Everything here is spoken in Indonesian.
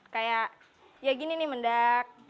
kayak ya gini nih mendak